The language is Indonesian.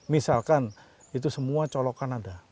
misalkan itu semua colokan ada